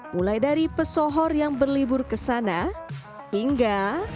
mulai dari pesohor yang berlibur ke sana hingga